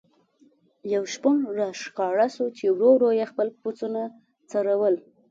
یو شپون را ښکاره شو چې ورو ورو یې خپل پسونه څرول.